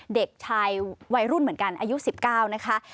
เด็กชายวัยรุ่นเหมือนกันอายุ๑๙นะคะ